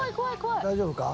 大丈夫か？